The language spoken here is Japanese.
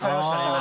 今。